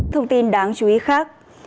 thông tin đáng chú ý khác